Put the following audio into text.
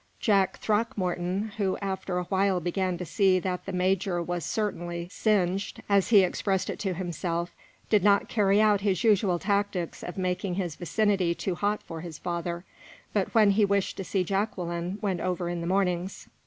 Jack Throckmorton, who after a while began to see that the major was certainly singed, as he expressed it to himself, did not carry out his usual tactics of making his vicinity too hot for his father, but when he wished to see Jacqueline went over in the mornings.